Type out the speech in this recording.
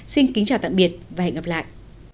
xin kính chào tạm biệt và hẹn gặp lại